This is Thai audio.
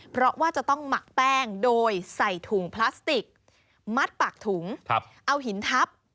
เพราะว่าจะต้องหมักแป้งโดยใส่ถุงพลาสติกมัดปากถุงเอาหินทับ